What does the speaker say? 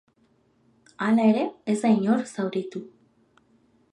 Hala ere, ez da inor zauritu.